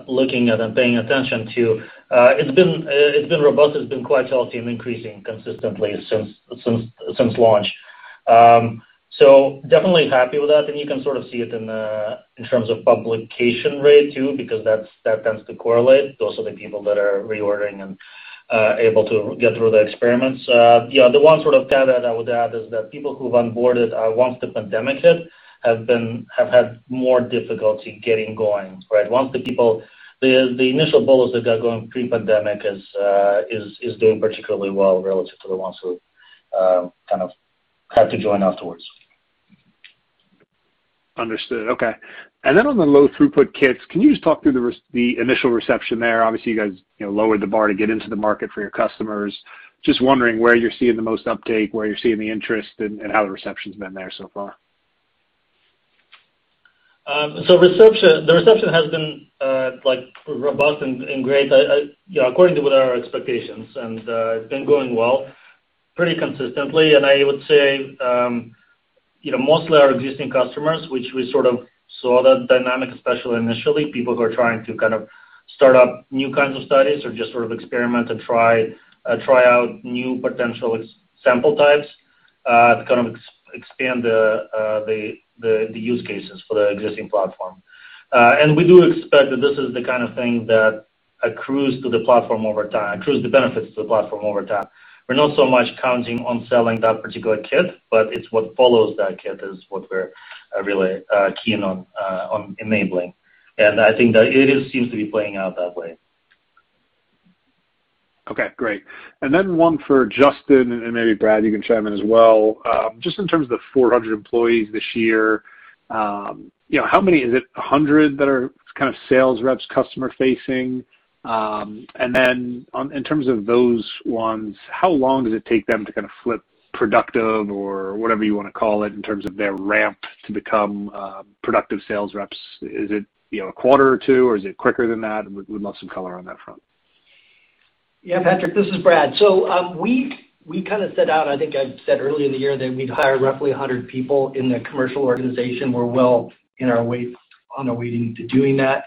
C: looking at and paying attention to. It's been robust. It's been quite healthy and increasing consistently since launch. Definitely happy with that, and you can sort of see it in terms of publication rate, too, because that tends to correlate. Those are the people that are reordering and able to get through the experiments. The one sort of data that I would add is that people who've onboarded once the pandemic hit have had more difficulty getting going, right? The initial bolus that got going pre-pandemic is doing particularly well relative to the ones who kind of had to join afterwards.
J: Understood. Okay. On the low throughput kits, can you just talk through the initial reception there? Obviously, you guys lowered the bar to get into the market for your customers. Just wondering where you're seeing the most uptake, where you're seeing the interest, and how the reception's been there so far?
C: The reception has been robust and great, according to what are our expectations, and it's been going well, pretty consistently. I would say, mostly our existing customers, which we sort of saw that dynamic, especially initially, people who are trying to start up new kinds of studies or just sort of experiment and try out new potential sample types, to kind of expand the use cases for the existing platform. We do expect that this is the kind of thing that accrues the benefits to the platform over time. We're not so much counting on selling that particular kit, but it's what follows that kit is what we're really keen on enabling. I think that it seems to be playing out that way.
J: Okay, great. One for Justin, and maybe Brad, you can chime in as well. Just in terms of the 400 employees this year, how many is it, 100 that are kind of sales reps, customer facing? In terms of those ones, how long does it take them to kind of flip productive or whatever you want to call it in terms of their ramp to become productive sales reps? Is it a quarter or two or is it quicker than that? We'd love some color on that front.
F: Yeah, Patrick, this is Brad. We set out, I think I said earlier in the year that we'd hire roughly 100 people in the commercial organization. We're well on our way to doing that.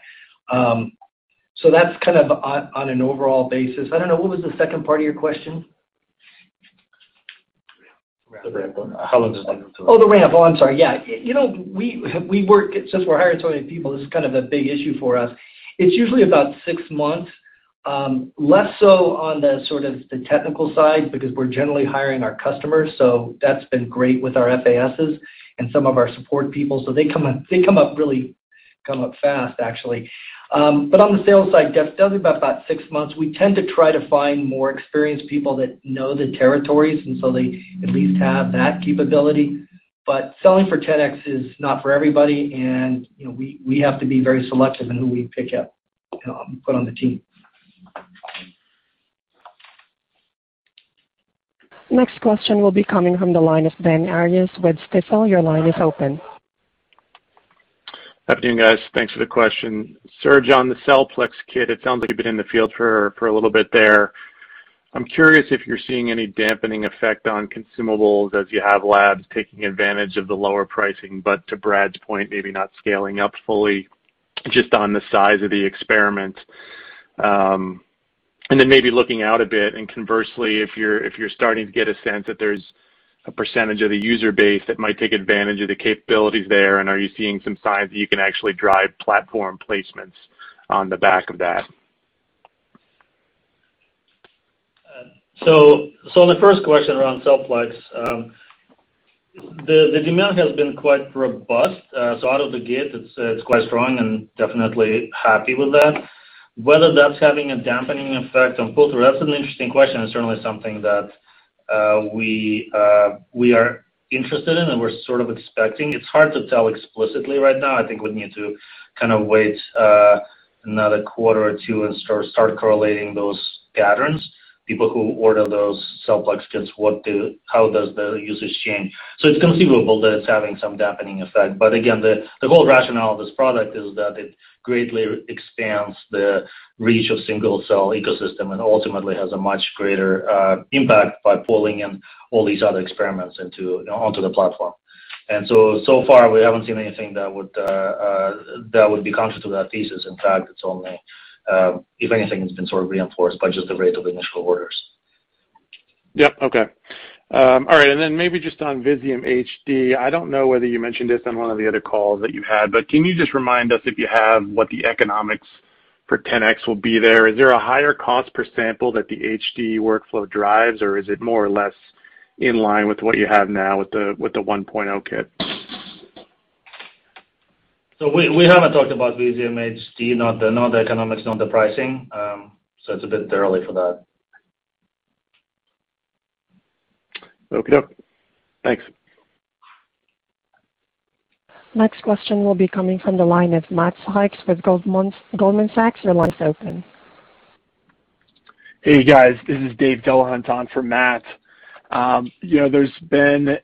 F: That's on an overall basis. I don't know, what was the second part of your question?
J: The ramp one, how long does it take?
F: Oh, the ramp. Oh, I'm sorry. Yeah. Since we're hiring so many people, this is kind of a big issue for us. It's usually about six months, less so on the technical side, because we're generally hiring our customers, so that's been great with our FASes and some of our support people. They come up really fast, actually. On the sales side, definitely about six months. We tend to try to find more experienced people that know the territories, and so they at least have that capability. Selling for 10x is not for everybody, and we have to be very selective in who we pick up and put on the team.
A: Next question will be coming from the line of Dan Arias with Stifel. Your line is open.
K: Good afternoon, guys. Thanks for the question. Serge, on the CellPlex kit, it sounds like you've been in the field for a little bit there. I'm curious if you're seeing any dampening effect on consumables as you have labs taking advantage of the lower pricing, but to Brad's point, maybe not scaling up fully just on the size of the experiment. Maybe looking out a bit and conversely, if you're starting to get a sense that there's a percentage of the user base that might take advantage of the capabilities there, and are you seeing some signs that you can actually drive platform placements on the back of that?
C: The first question around CellPlex, the demand has been quite robust. Out of the gate, it's quite strong and definitely happy with that. Whether that's having a dampening effect on pull-through, that's an interesting question. It's certainly something that we are interested in and we're sort of expecting. It's hard to tell explicitly right now. I think we need to kind of wait another quarter or two and start correlating those patterns. People who order those CellPlex kits, how does the usage change? It's conceivable that it's having some dampening effect. Again, the whole rationale of this product is that it greatly expands the reach of single-cell ecosystem and ultimately has a much greater impact by pulling in all these other experiments onto the platform. So far, we haven't seen anything that would be counter to that thesis. In fact, if anything, it's been sort of reinforced by just the rate of initial orders.
K: Yep. Okay. All right, maybe just on Visium HD, I don't know whether you mentioned this on one of the other calls that you had, can you just remind us, if you have, what the economics for 10x will be there? Is there a higher cost per sample that the HD workflow drives, is it more or less in line with what you have now with the 1.0 kit?
C: We haven't talked about Visium HD, not the economics, not the pricing. It's a bit early for that.
K: Okay. Thanks.
A: Next question will be coming from the line of Matt Sykes with Goldman Sachs. Your line is open.
L: Hey, guys, this is Dave Delahunt on for Matt. There has been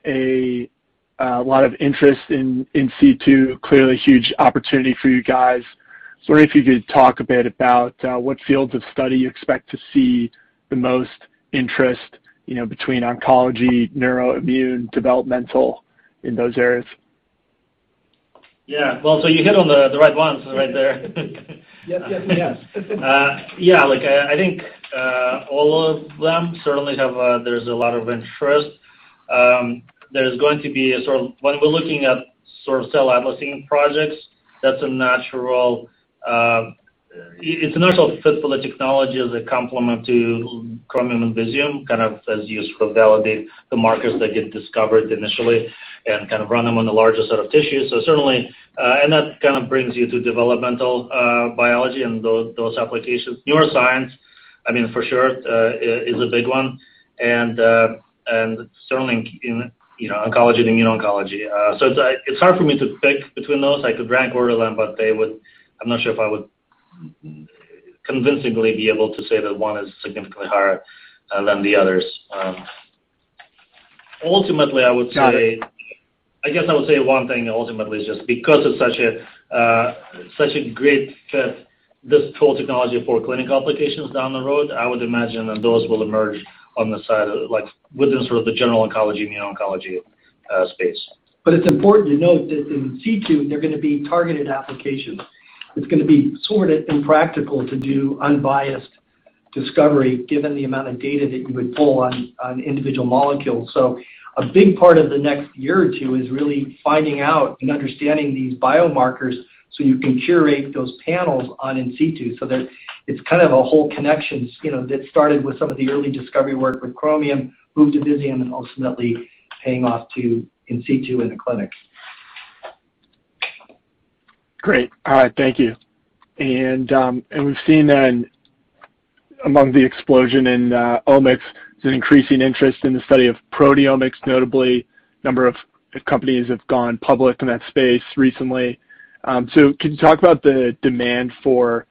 L: a lot of interest in situ, clearly a huge opportunity for you guys. I was wondering if you could talk a bit about what fields of study you expect to see the most interest, between oncology, neuro, immune, developmental, in those areas?
C: Yeah. Well, you hit on the right ones right there.
L: Yes.
C: Yeah, I think all of them certainly there's a lot of interest. When we're looking at cell atlasing projects, it's a natural fit for the technology as a complement to Chromium and Visium, as used to validate the markers that get discovered initially and run them on the largest set of tissues. That kind of brings you to developmental biology and those applications. Neuroscience, I mean, for sure, is a big one. Certainly oncology and immuno-oncology. It's hard for me to pick between those. I could rank order them, but I'm not sure if I would convincingly be able to say that one is significantly higher than the others.
L: Got it.
C: I guess I would say one thing ultimately is just because it's such a great fit, this tool technology for clinic applications down the road, I would imagine that those will emerge on the side of within sort of the general oncology, immuno-oncology space.
F: It's important to note that in situ, they're going to be targeted applications. It's going to be sort of impractical to do unbiased discovery given the amount of data that you would pull on individual molecules. A big part of the next year or two is really finding out and understanding these biomarkers so you can curate those panels on in situ so that it's kind of a whole connection that started with some of the early discovery work with Chromium, moved to Visium, and ultimately paying off to in situ in the clinics.
L: Great. All right, thank you. We've seen then among the explosion in omics, there's increasing interest in the study of proteomics, notably, number of companies have gone public in that space recently. Can you talk about the demand for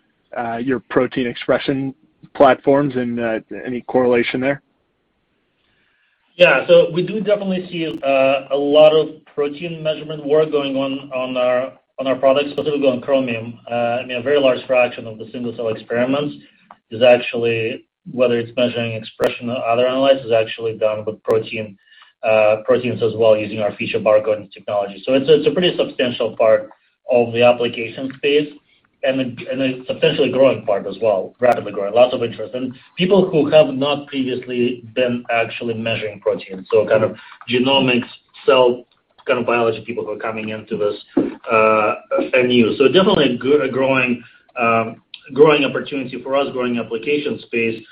L: your protein expression platforms and any correlation there?
C: Yeah. We do definitely see a lot of protein measurement work going on our products, specifically on Chromium. A very large fraction of the single-cell experiments is actually, whether it's measuring expression or other analysis, is actually done with proteins as well using our Feature Barcoding technology. It's a pretty substantial part of the application space and a substantially growing part as well, rapidly growing. Lots of interest. People who have not previously been actually measuring proteins, so kind of genomics, cell kind of biology people who are coming into this venue. Definitely a growing opportunity for us, growing application space.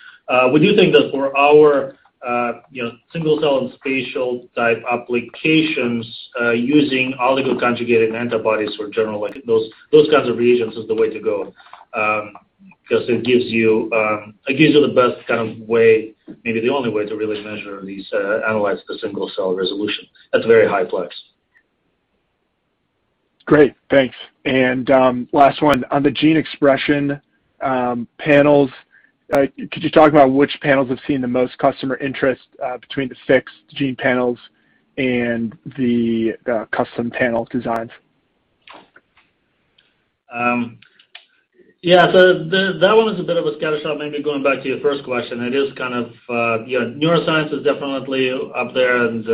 C: We do think that for our single-cell and spatial type applications, using oligo-conjugated antibodies for general, those kinds of reagents is the way to go, because it gives you the best kind of way, maybe the only way to really measure these, analyze the single-cell resolution at very high plex.
L: Great, thanks. Last one, on the gene expression panels, could you talk about which panels have seen the most customer interest between the fixed gene panels and the custom panel designs?
C: That one is a bit of a scattershot, maybe going back to your first question. Neuroscience is definitely up there and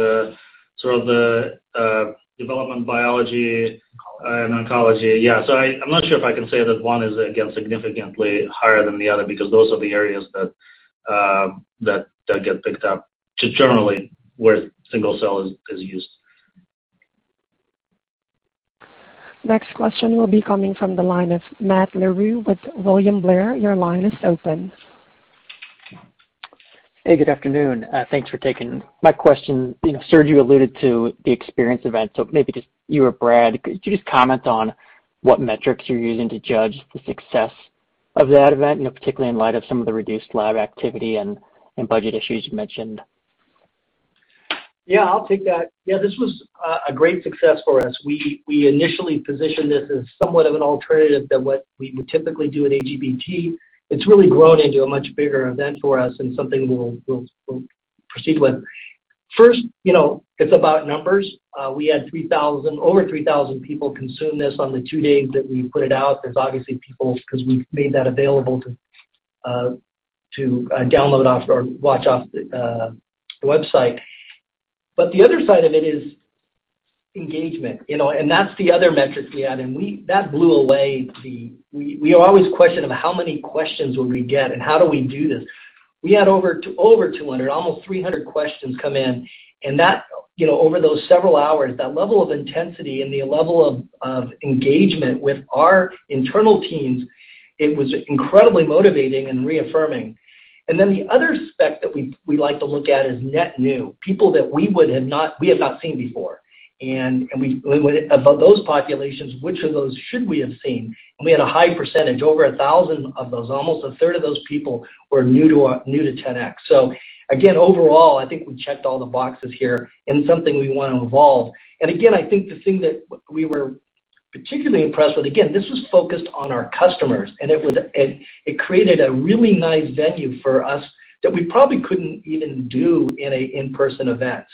C: sort of the developmental biology and oncology. I'm not sure if I can say that one is, again, significantly higher than the other because those are the areas that get picked up, just generally where single-cell is used.
A: Next question will be coming from the line of Matt Larew with William Blair. Your line is open.
M: Hey, good afternoon. Thanks for taking my question. Serge alluded to the experience event, so maybe just you or Brad, could you just comment on what metrics you're using to judge the success of that event, particularly in light of some of the reduced lab activity and budget issues you mentioned?
F: Yeah, I'll take that. Yeah, this was a great success for us. We initially positioned this as somewhat of an alternative than what we would typically do at AGBT. It's really grown into a much bigger event for us and something we'll proceed with. First, it's about numbers. We had over 3,000 people consume this on the two days that we put it out. There's obviously people, because we've made that available to download off or watch off the website. The other side of it is engagement, and that's the other metric we had. That blew away. We always question about how many questions will we get and how do we do this? We had over 200, almost 300 questions come in, and over those several hours, that level of intensity and the level of engagement with our internal teams, it was incredibly motivating and reaffirming. The other spec that we like to look at is net new, people that we have not seen before. Of those populations, which of those should we have seen? We had a high percentage, over 1,000 of those, almost a third of those people were new to 10x. Again, overall, I think we checked all the boxes here and something we want to evolve. Again, I think the thing that we were particularly impressed with, again, this was focused on our customers, and it created a really nice venue for us that we probably couldn't even do in a in-person event.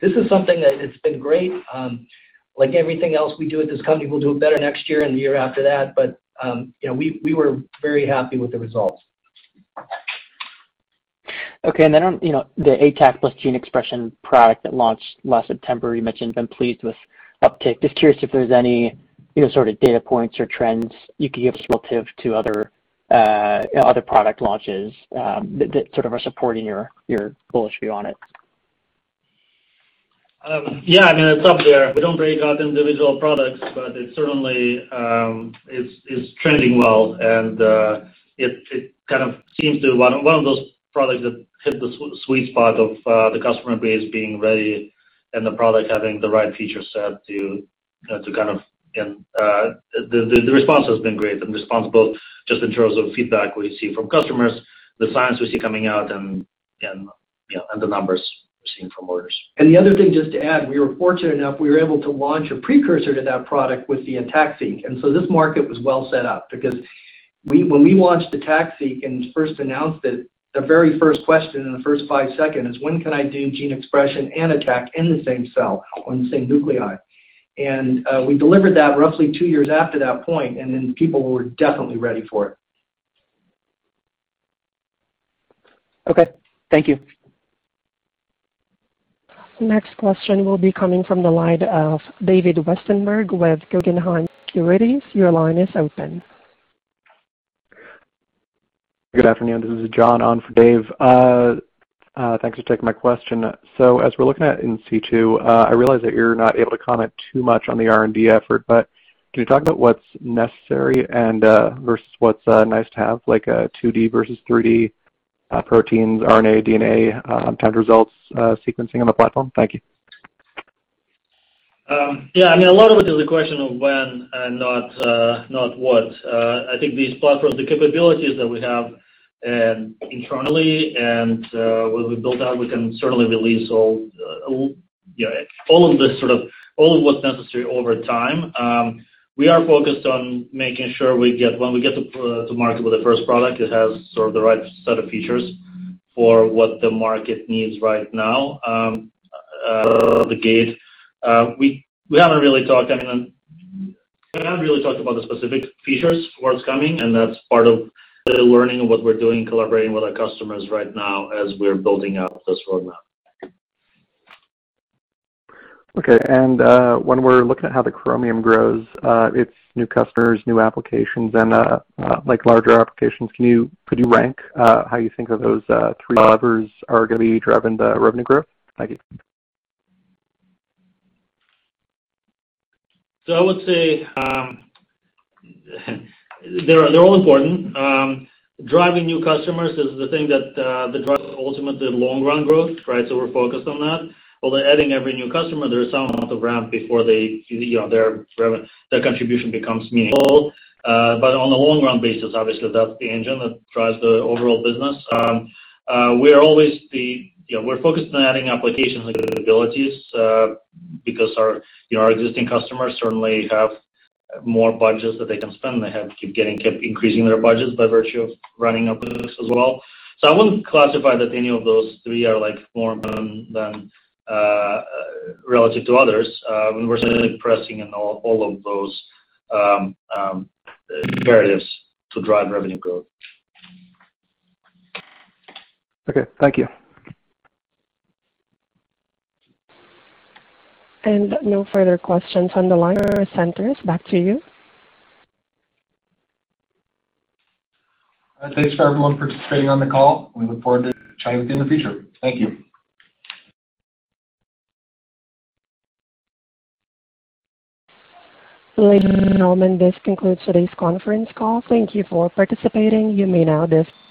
F: This is something that has been great. Like everything else we do at this company, we'll do it better next year and the year after that, but we were very happy with the results.
M: Okay, on the ATAC plus gene expression product that launched last September, you mentioned been pleased with uptake. Just curious if there's any sort of data points or trends you could give us relative to other product launches that sort of are supporting your bullish view on it?
C: Yeah, I mean, it's up there. We don't break out individual products, but it certainly is trending well, and it kind of seems to one of those products that hit the sweet spot of the customer base being ready and the product having the right feature set. The response has been great, the response both just in terms of feedback we see from customers, the science we see coming out, and the numbers we're seeing from orders.
F: The other thing, just to add, we were fortunate enough, we were able to launch a precursor to that product with the ATAC-seq. This market was well set up because. When we launched ATAC-seq and first announced it, the very first question in the first five seconds is, when can I do gene expression and ATAC in the same cell on the same nuclei? We delivered that roughly two years after that point, and then people were definitely ready for it.
M: Okay. Thank you.
A: Next question will be coming from the line of David Westenberg with Guggenheim Securities. Your line is open.
N: Good afternoon. This is John on for Dave. Thanks for taking my question. As we're looking at in situ, I realize that you're not able to comment too much on the R&D effort, but can you talk about what's necessary and versus what's nice to have, like a 2D versus 3D proteins, RNA, DNA type results sequencing on the platform? Thank you.
C: Yeah. A lot of it is a question of when and not what. I think these platforms, the capabilities that we have internally and when we build out, we can certainly release all of what's necessary over time. We are focused on making sure when we get to market with the first product, it has sort of the right set of features for what the market needs right now, out of the gate. We have not really talked about the specific features for what's coming. That's part of the learning of what we're doing, collaborating with our customers right now as we're building out this roadmap.
N: Okay. When we're looking at how the Chromium grows, its new customers, new applications, and larger applications, could you rank how you think of those three levers are going to be driving the revenue growth? Thank you.
C: I would say they're all important. Driving new customers is the thing that drives ultimate the long run growth. We're focused on that. Although adding every new customer, there is some amount of ramp before their contribution becomes meaningful. On a long run basis, obviously, that's the engine that drives the overall business. We're focused on adding applications and capabilities because our existing customers certainly have more budgets that they can spend. They have kept increasing their budgets by virtue of running our products as well. I wouldn't classify that any of those three are more important than relative to others. We're certainly pressing in all of those areas to drive revenue growth.
N: Okay. Thank you.
A: No further questions on the line. Operators, back to you.
B: Thanks to everyone for participating on the call. We look forward to chatting with you in the future. Thank you.
A: Ladies and gentlemen, this concludes today's conference call. Thank you for participating. You may now disconnect.